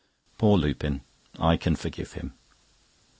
Poor Lupin! I can forgive him.